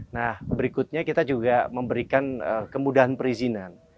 nah berikutnya kita juga memberikan kemudahan perizinan